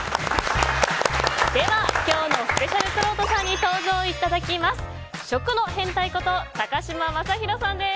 では、今日のスペシャルくろうとさんに登場いただきます。